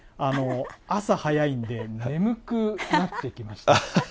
朝早いんで、眠くなってきました。